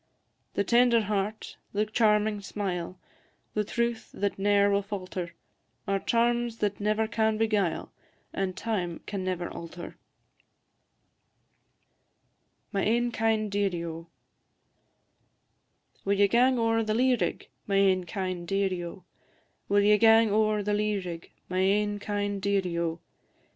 The tender heart, the charming smile, The truth that ne'er will falter, Are charms that never can beguile, And time can never alter. MY AIN KIND DEARIE, O! Will ye gang ower the lea rig, My ain kind dearie, O? Will ye gang ower the lea rig, My ain kind dearie, O?